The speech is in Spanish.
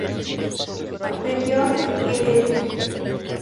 Región Heredia.